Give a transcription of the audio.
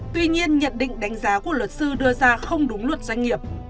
tuy nhiên nhận định đánh giá của luật sư đưa ra không đúng luật doanh nghiệp